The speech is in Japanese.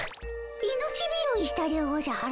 命拾いしたでおじゃる。